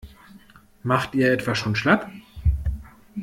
Macht ihr etwa schon schlapp?